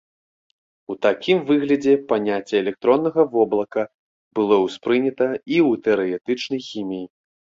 У такім выглядзе паняцце электроннага воблака было ўспрынята і ў тэарэтычнай хіміі.